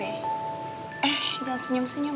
eh jangan senyum senyum